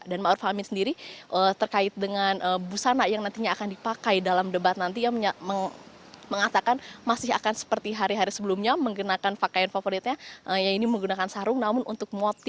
dan ma'ruf amin sendiri terkait dengan busana yang nantinya akan dipakai dalam debat nanti